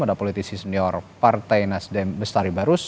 ada politisi senior partai nasdem bestari barus